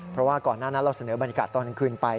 เพราะว่าก่อนหน้านั้นเราเสนอบรรยากาศตอนกลางคืนไป